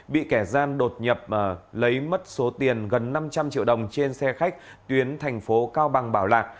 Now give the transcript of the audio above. bị kẻ gian đột nhập lấy mất số tiền gần năm trăm linh triệu đồng trên xe khách tuyến thành phố cao bằng bảo lạc